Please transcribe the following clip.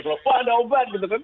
kalau ada obat gitu kan